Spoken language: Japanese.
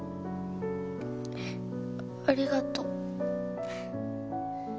ありがと。